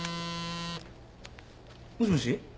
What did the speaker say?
もしもし？